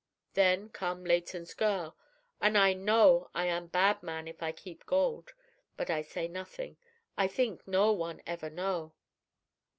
Then come Leighton's girl, an' I know I am bad man if I keep gold. But I say nothing. I theenk no one ever know."